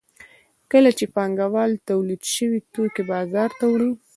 کله چې پانګوال تولید شوي توکي بازار ته وړي